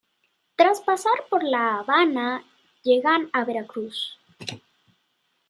Tras pasar por La Habana, llegan a Veracruz.